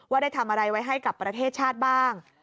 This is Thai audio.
ได้ทำอะไรไว้ให้กับประเทศชาติบ้าง